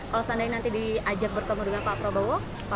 kalau seandainya nanti diajak bertemu dengan pak prabowo apa yang akan dilakukan